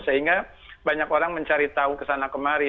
sehingga banyak orang mencari tahu kesana kemari